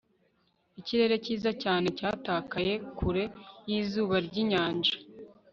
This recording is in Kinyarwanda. Ikirere cyiza cyane cyatakaye kure yizuba ryinyanja